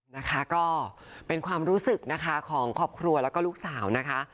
นะคะก็เป็นความรู้สึกนะคะของครอบครัวแล้วก็ลูกสาวนะคะ